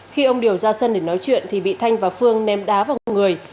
khi ông điều ra sân để nói chuyện thì bị thanh và phương ném đá vào một người